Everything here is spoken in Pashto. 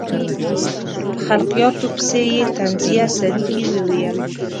په خلقیاتو پسې یې طنزیه سروکي وویل.